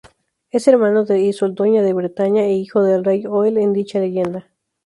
Es hermano de Isolda de Bretaña e hijo del rey Hoel en dicha leyenda.